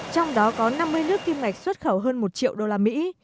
trong đó có năm mươi nước kinh mạch xuất khẩu hơn một triệu usd